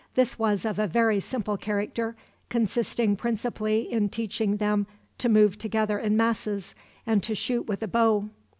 This was of a very simple character, consisting principally in teaching them to move together in masses, and to shoot with a bow.